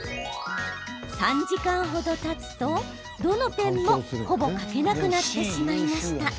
３時間程たつと、どのペンもほぼ書けなくなってしまいました。